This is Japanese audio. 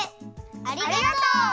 ありがとう！